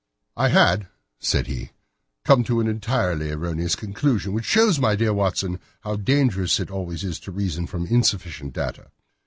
"I had," said he, "come to an entirely erroneous conclusion which shows, my dear Watson, how dangerous it always is to reason from insufficient data.